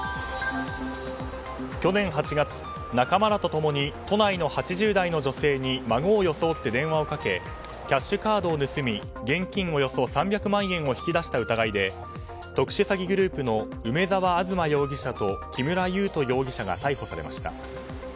去年８月、仲間らと共に都内の８０代の女性に孫を装って電話をかけキャッシュカードを盗み現金およそ３００万円を引き出した疑いで特殊詐欺グループの梅沢雷容疑者と木村優斗容疑者が逮捕されました。